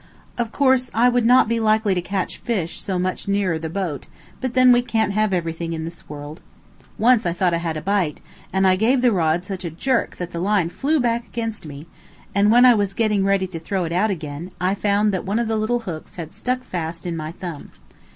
Of course, I would not be likely to catch fish so much nearer the boat, but then we can't have everything in this world. Once I thought I had a bite, and I gave the rod such a jerk that the line flew back against me, and when I was getting ready to throw it out again, I found that one of the little hooks had stuck fast in my thumb.